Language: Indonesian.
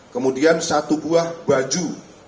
kemudian satu buah baju